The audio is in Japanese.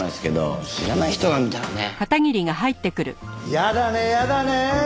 やだねやだね！